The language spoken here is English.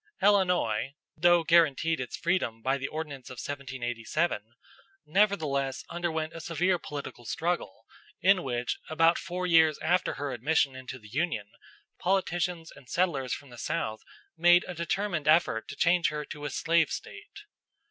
Illinois, though guaranteed its freedom by the Ordinance of 1787, nevertheless underwent a severe political struggle in which, about four years after her admission into the Union, politicians and settlers from the South made a determined effort to change her to a slave State.